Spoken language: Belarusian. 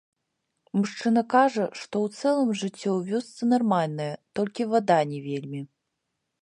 Мужчына кажа, што ў цэлым, жыццё у вёсцы нармальнае, толькі вада не вельмі.